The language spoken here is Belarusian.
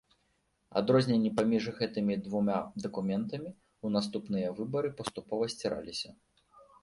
Адрозненні паміж гэтымі двума дакументамі ў наступныя выбары паступова сціраліся.